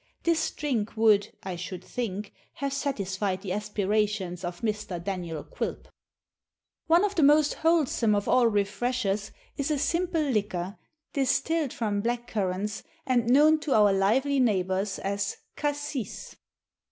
This drink would, I should think, have satisfied the aspirations of Mr. Daniel Quilp. One of the most wholesome of all "refreshers," is a simple liquor, distilled from black currants, and known to our lively neighbours as _Cassis.